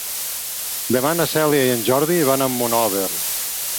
Demà na Cèlia i en Jordi van a Monòver.